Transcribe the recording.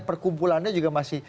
perkumpulannya juga masih